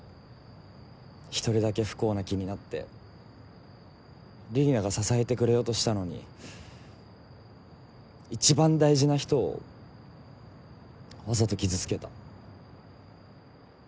１人だけ不幸な気になって李里奈が支えてくれようとしたのに一番大事な人をわざと傷つけた。